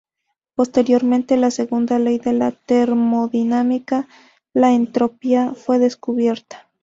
Posteriormente, la segunda ley de la termodinámica, la entropía, fue descubierta.